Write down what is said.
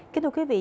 kiếm thưa quý vị